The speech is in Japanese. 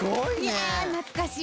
いやあ懐かしい。